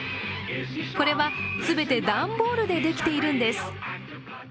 これは、全て段ボールでできているんです。